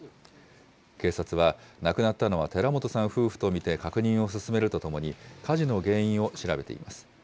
警察は、亡くなったのは寺本さん夫婦と見て確認を進めるとともに、火事の原因を調べています。